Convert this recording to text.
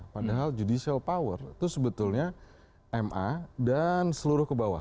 padahal judicial power itu sebetulnya ma dan seluruh kebawah